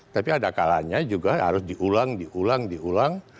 tapi ada kalanya juga harus diulang diulang diulang